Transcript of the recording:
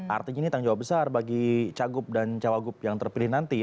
artinya ini tanggung jawab besar bagi cagup dan cawagup yang terpilih nanti